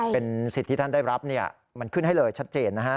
เป็นสิทธิ์ที่ท่านได้รับมันขึ้นให้เลยชัดเจนนะฮะ